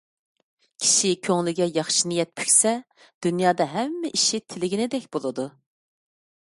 كىشى كۆڭلىگە ياخشى نىيەت پۈكسە، دۇنيادا ھەممە ئىشى تىلىگىنىدەك بولىدۇ.